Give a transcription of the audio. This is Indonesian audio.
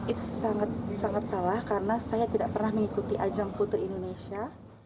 itu sangat salah karena saya tidak pernah mengikuti ajang putri indonesia